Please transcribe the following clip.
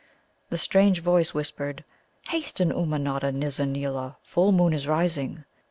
The strange voice whispered: "Hasten, Ummanodda Nizza neela; full moon is rising!"